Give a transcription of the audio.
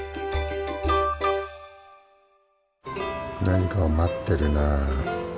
何かを待ってるな。